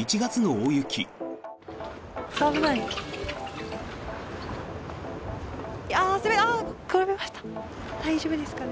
大丈夫ですかね。